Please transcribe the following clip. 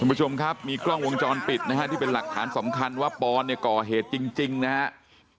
คุณผู้ชมครับมีกล้องวงจรปิดนะฮะที่เป็นหลักฐานสำคัญว่าปอนเนี่ยก่อเหตุจริงนะครับ